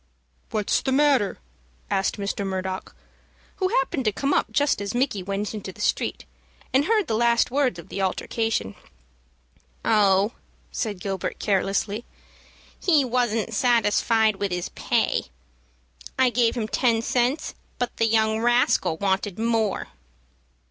"What's the matter?" asked Mr. Murdock, who happened to come up just as Micky went into the street, and heard the last words of the altercation. "Oh," said Gilbert, carelessly, "he wasn't satisfied with his pay. I gave him ten cents, but the young rascal wanted more."